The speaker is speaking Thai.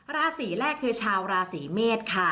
ราสีแรกคือชาวราสีเมษ